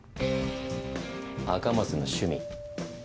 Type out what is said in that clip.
赤松の趣味。